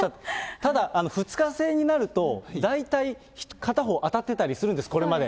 ただ、２日制になると大体、片方当たってたりするんです、これまで。